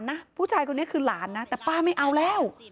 นี่คือหลานนะแต่ป้าไม่เอาแล้ว